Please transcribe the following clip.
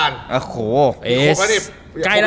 อันนี้มีครบแล้วเนี่ย